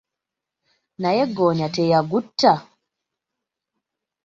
Naye ggoonya teyagutta.